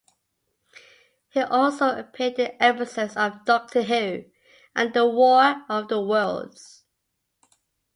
He also appeared in episodes of "Doctor Who" and "The War of the Worlds".